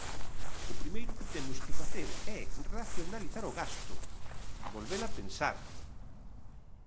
O primeiro que temos que facer é racionalizar o gasto, volvela pensar.